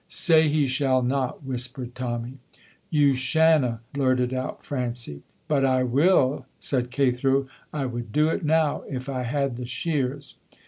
"Say he shall not," whispered Tommy. "You shanna!" blurted out Francie. "But I will," said Cathro; "I would do it now if I had the shears."